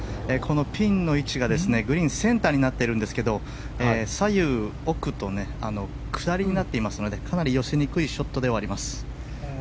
ピンの位置がグリーンセンターになっているんですが左右、奥と下りになっていますのでかなり寄せにくいショットではあります。